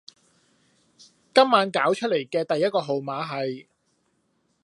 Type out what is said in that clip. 今晚攪出黎嘅第一個號碼係